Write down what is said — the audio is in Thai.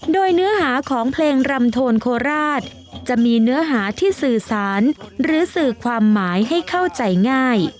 โดยเนื้อหาของเพลงรำโทนโคราชจะมีเนื้อหาที่สื่อสารหรือสื่อความหมายให้เข้าใจง่าย